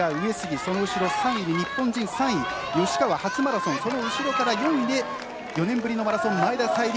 その後ろ３位が吉川、初マラソンその後ろから４位で４年ぶりのマラソン前田彩里